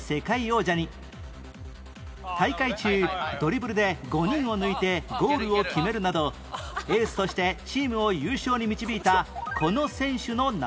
大会中ドリブルで５人を抜いてゴールを決めるなどエースとしてチームを優勝に導いたこの選手の名前は？